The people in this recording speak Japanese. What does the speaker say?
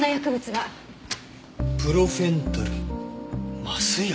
プロフェンタル麻酔薬！？